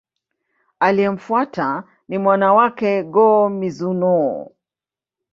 Aliyemfuata ni mwana wake, Go-Mizunoo.